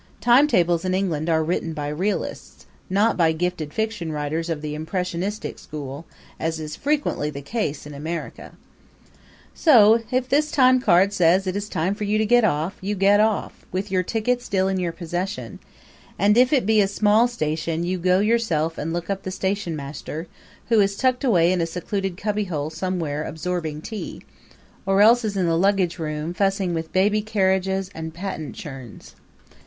Timetables in England are written by realists, not by gifted fiction writers of the impressionistic school, as is frequently the case in America. So, if this timecard says it is time for you to get off you get off, with your ticket still in your possession; and if it be a small station you go yourself and look up the station master, who is tucked away in a secluded cubbyhole somewhere absorbing tea, or else is in the luggage room fussing with baby carriages and patent churns.